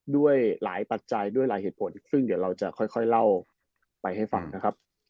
ด้วยหลายปัจจัยด้วยหลายเหตุผลซึ่งเดี๋ยวเราจะค่อยเล่าไปให้ฟังนะครับ